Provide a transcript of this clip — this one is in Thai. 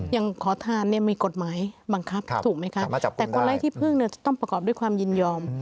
ขอทานเนี่ยมีกฎหมายบังคับถูกไหมคะแต่คนไร้ที่พึ่งจะต้องประกอบด้วยความยินยอม